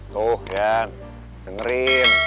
tuh yan dengerin